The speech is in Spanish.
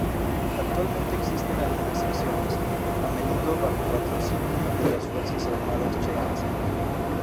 Actualmente existen algunas secciones, a menudo bajo el patrocinio de las Fuerzas Armadas checas.